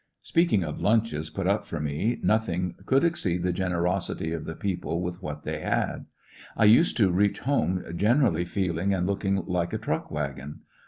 Speaking of lunches put up for me, nothing "Scmppie'' could exceed the generosity of the people mtteT^^ with what they had. I used to reach home generally feeling and looking like a truck wagon.